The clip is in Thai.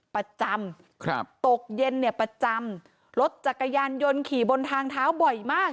ประจำครับตกเย็นเนี่ยประจำรถจักรยานยนต์ขี่บนทางเท้าบ่อยมาก